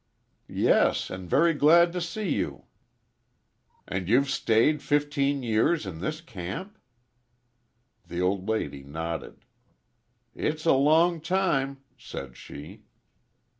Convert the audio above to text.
"Yes, and very glad to see you.". "An' you've stayed fifteen years in this camp?" The old lady nodded. "It's a long time," said she.